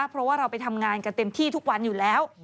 เพราะว่าเราไปทำงานกันเต็มที่ทุกวันอยู่แล้ว